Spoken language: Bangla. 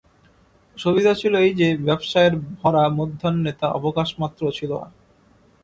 সুবিধা ছিল এই যে, ব্যবসায়ের ভরা মধ্যাহ্নে তার অবকাশমাত্র ছিল না।